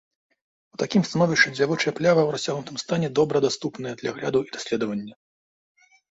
У такім становішчы дзявочая плява ў расцягнутым стане добра даступная для агляду і даследавання.